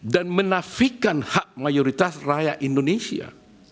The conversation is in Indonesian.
dan menafikan hak mayoritas rakyat indonesia